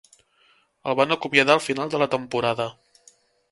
El van acomiadar al final de la temporada.